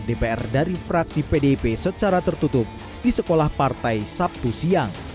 dpr dari fraksi pdip secara tertutup di sekolah partai sabtu siang